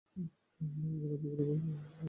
বাঙলার গ্রামে গ্রামে প্রায় হরিসভা আছে।